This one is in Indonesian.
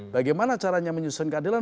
bagaimana caranya menyusun keadilan